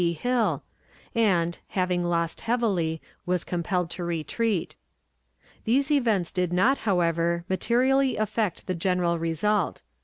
P. Hill, and, having lost heavily, was compelled to retreat. These events did not, however, materially affect the general result.